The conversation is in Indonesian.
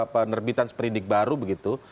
penerbitan seperindik baru begitu